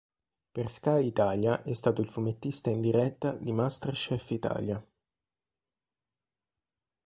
Per Sky Italia è stato il fumettista in diretta di MasterChef Italia.